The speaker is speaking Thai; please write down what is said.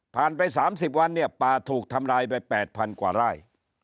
ไป๓๐วันเนี่ยป่าถูกทำลายไป๘๐๐กว่าไร่